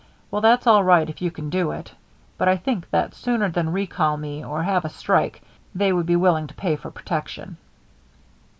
Well, that's all right if you can do it. But I think that sooner than recall me or have a strike they would be willing to pay for protection."